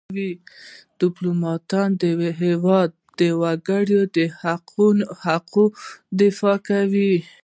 ډيپلومات د هېواد د وګړو د حقوقو دفاع کوي .